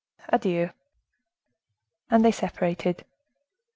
Adieu." And the separated.